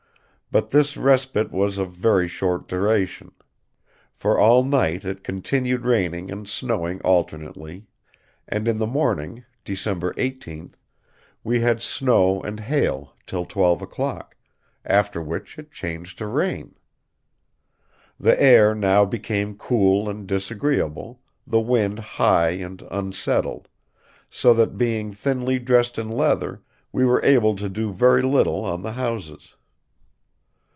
But this respite was of very short duration; for all night it continued raining and snowing alternately, and in the morning, December 18th, we had snow and hail till twelve o'clock, after which it changed to rain. The air now became cool and disagreeable, the wind high and unsettled; so that, being thinly dressed in leather, we were able to do very little on the houses."